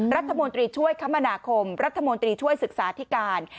รัฐมนตรีช่วยคมนาคมรัฐมนตรีช่วยศึกษาธิการ